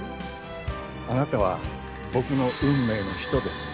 あなたは僕の運命の人です。